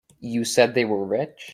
You said they were rich?